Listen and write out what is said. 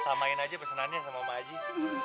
samain aja pesenannya sama mak aji